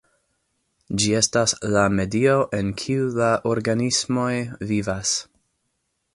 Ĝi estas la medio en kiu la organismoj vivas.